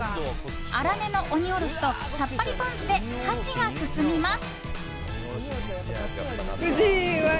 粗めの鬼おろしとさっぱりポン酢で箸が進みます。